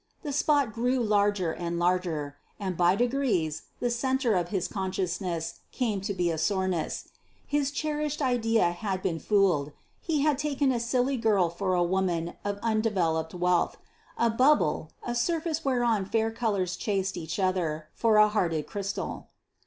The spot grew larger and larger, and by degrees the centre of his consciousness came to be a soreness: his cherished idea had been fooled; he had taken a silly girl for a woman of undeveloped wealth; a bubble, a surface whereon fair colours chased each other, for a hearted crystal.